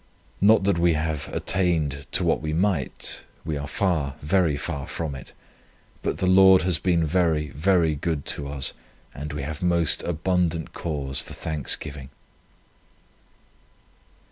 Not that we have attained to what we might; we are far, very far from it; but the Lord has been very, very good to us, and we have most abundant cause for thanksgiving."